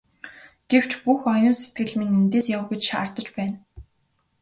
Гэвч бүх оюун сэтгэл минь эндээс яв гэж шаардаж байна.